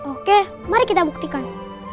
oke mari kita buktikan